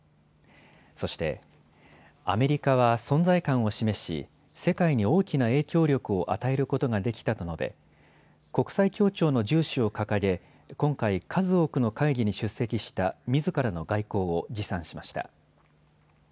そしてアメリカは存在感を示し世界に大きな影響力を与えることができたと述べ、国際協調の重視を掲げ、今回数多くの会議に出席したみずからの外交を自賛しました。